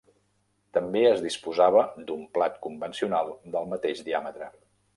També es disposava d'un plat convencional del mateix diàmetre.